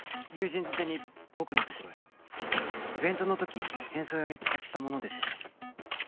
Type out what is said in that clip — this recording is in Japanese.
人づてに僕のところへイベントのとき変装用に使ったものですよね？